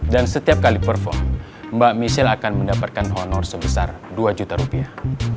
dan setiap kali perform mbak michelle akan mendapatkan honor sebesar dua juta rupiah